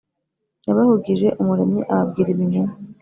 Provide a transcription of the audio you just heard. yabahugije umuremyi, ababwira ibinyoma.